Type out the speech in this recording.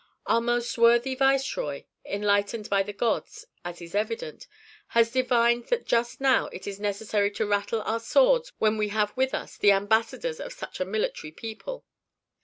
Our most worthy viceroy, enlightened by the gods, as is evident, has divined that just now it is necessary to rattle our swords when we have with us the ambassadors of such a military people.